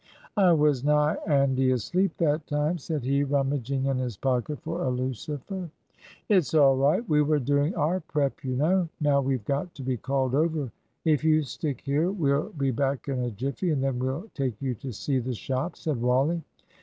"I was nigh 'andy asleep that time," said he, rummaging in his pocket for a lucifer. "It's all right; we were doing our prep, you know. Now we've got to be called over. If you stick here, we'll be back in a jiffy, and then we'll take you to see the shop," said Wally.